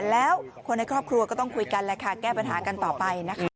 แล้วคนในครอบครัวก็ต้องคุยกันแหละค่ะแก้ปัญหากันต่อไปนะคะ